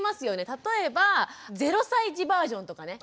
例えば０歳児バージョンとかね。